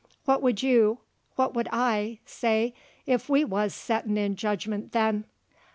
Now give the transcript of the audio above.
What would you what would I say, if we wuz settin' in jedgment then?